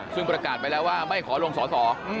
ซึ่งประกาศไปแล้วว่าไม่ขอลงสอสอ